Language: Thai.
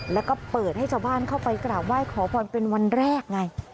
แล้วก็เปิดให้ชาวบ้านเข้าไปกราบไหว้ขอพรเป็นวันแรกไง